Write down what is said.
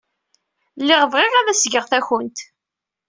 Lliɣ bɣiɣ ad as-geɣ takunt.